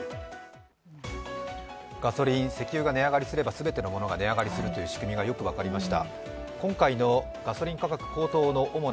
ガソリン、石油が値上がりすれば全てのものが値上がりするという仕組みがよく分かりました。